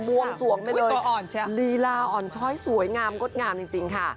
วงสวงไปเลยลีลาอ่อนช้อยสวยงามงดงามจริงค่ะ